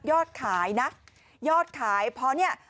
ยอดขายนะยอดขาย